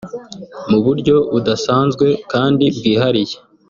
Mu buryo budasanzwe kandi bwihariye